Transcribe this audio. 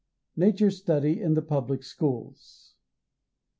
NATURE STUDY IN THE PUBLIC SCHOOLS.